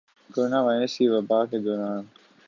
corona virus کی وبا کے دوران